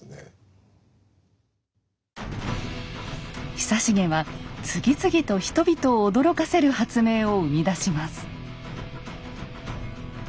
久重は次々と人々を驚かせる発明を生み出します。